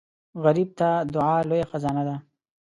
غریب ته دعا لوی خزانه ده